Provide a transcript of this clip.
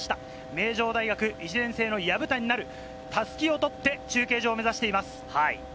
名城大学、１年生の薮谷奈瑠、襷を取って中継所を目指しています。